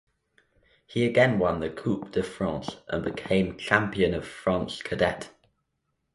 He again won the Coupe de France and became Champion of France Cadet.